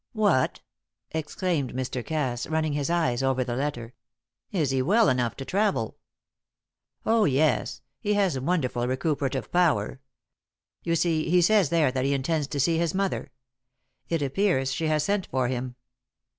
"What!" exclaimed Mr. Cass, running his eyes over the letter. "Is he well enough to travel?" "Oh, yes; he has wonderful recuperative power. You see, he says there that he intends to see his mother. It appears she has sent for him.